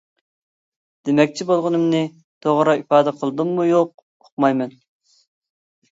دېمەكچى بولغىنىمنى توغرا ئىپادە قىلدىممۇ يوق ئۇقمايمەن.